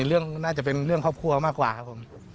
เรื่องน่าจะเป็นเรื่องครอบครัวมากกว่าครับผม